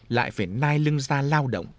lại phải nai lưng ra lao động